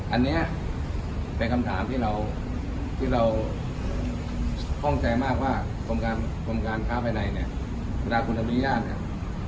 อันนี้เป็นคำถามที่เราฟ้องใจมากว่ากรมการค้าไปในประธานคนดรมยาล